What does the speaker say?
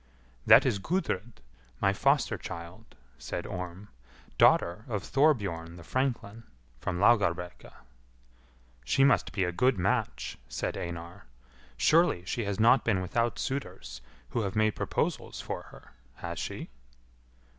"That is Gudrid, my foster child," said Orm, "daughter of Thorbjorn the franklin, from Laugarbrekka." "She must be a good match," said Einar; "surely she has not been without suitors who have made proposals for her, has she?"